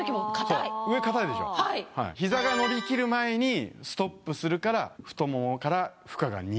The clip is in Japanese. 膝が伸びきる前にストップするから太ももから負荷が逃げない。